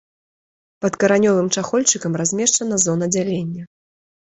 Пад каранёвым чахольчыкам размешчана зона дзялення.